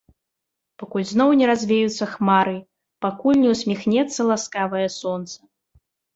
Пакуль зноў не развеюцца хмары, пакуль не ўсміхнецца ласкавае сонца.